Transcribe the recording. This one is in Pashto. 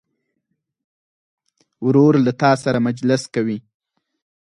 ورور له تا سره مجلس کوي.